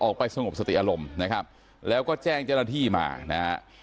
ออกไปสงบสติอารมณ์นะครับแล้วก็แจ้งเจ้าหน้าที่มานะฮะ